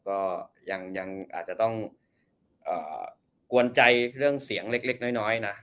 ก็ยังยังอาจจะต้องอ่ากวนใจเรื่องเสียงเล็กเล็กน้อยน้อยนะ